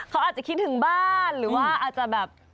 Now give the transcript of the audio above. เขาอาจจะคิดถึงบ้านหรือว่าอาจจะแบบ